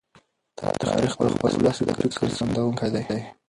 تاریخ د خپل ولس د فکر څرګندونکی دی.